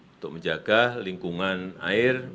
untuk menjaga lingkungan air